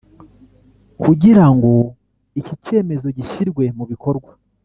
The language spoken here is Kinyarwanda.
kugira ngo iki cyemezo gishyirwe mu bikorwa